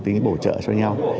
tính bổ trợ cho nhau